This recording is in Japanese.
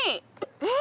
えっ？